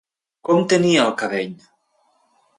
Com tenia el cabell?